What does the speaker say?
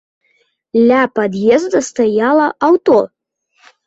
Ля пад'езда стаяла аўто.